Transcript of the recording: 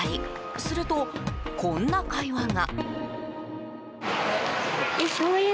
すると、こんな会話が。